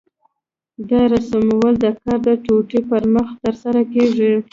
دا رسمول د کار د ټوټې پر مخ ترسره کېږي.